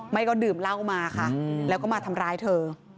ไม่ก็ดื่มเหล้ามาค่ะแล้วก็มาทำร้ายเธอ